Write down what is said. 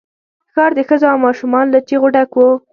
ښار د ښځو او ماشومان له چيغو ډک وو.